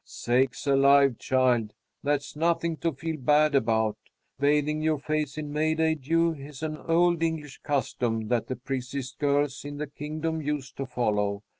"Sakes alive, child! That's nothing to feel bad about. Bathing your face in May day dew is an old English custom that the prettiest girls in the Kingdom used to follow.